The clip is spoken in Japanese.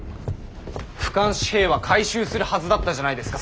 不換紙幣は回収するはずだったじゃないですか。